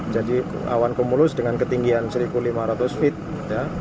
jadi awan kumulus dengan ketinggian seribu lima ratus feet ya